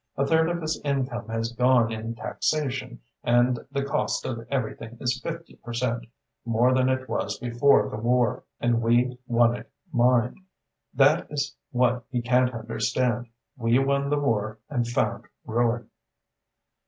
A third of his income has gone in taxation and the cost of everything is fifty per cent, more than it was before the war. And we won it, mind. That is what he can't understand. We won the war and found ruin."